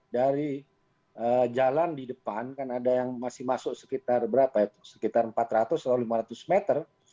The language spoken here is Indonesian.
dari jalan di depan kan ada yang masih masuk sekitar berapa ya sekitar empat ratus atau lima ratus meter